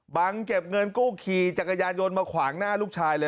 เก็บเงินกู้ขี่จักรยานยนต์มาขวางหน้าลูกชายเลย